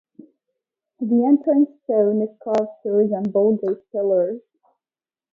The entrance stone is carved to resemble gate pillars.